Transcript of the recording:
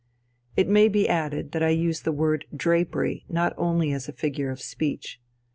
It may be added that I use the word "drapery" not only as a figure of speech.